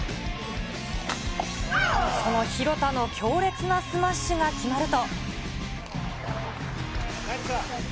その廣田の強烈なスマッシュが決まると。